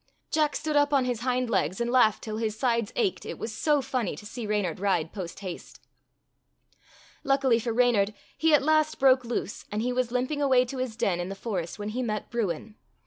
Jack stood up on his hind legs, and laughed till his sides ached, it was so funny *to see Reynard ride post haste. Luckily for Reynard, he at last broke loose, and he was limping away to his den in the forest when he met Bruin.